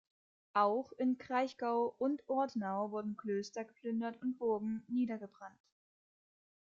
Auch im Kraichgau und Ortenau wurden Klöster geplündert und Burgen niedergebrannt.